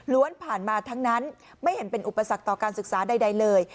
ผ่านมาทั้งนั้นไม่เห็นเป็นอุปสรรคต่อการศึกษาใดเลย